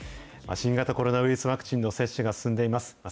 新型コロナウイルスワクチンの接種が進んでいます。